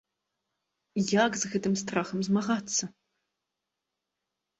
Як з гэтым страхам змагацца?